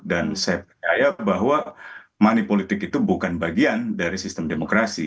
dan saya percaya bahwa money politik itu bukan bagian dari sistem demokrasi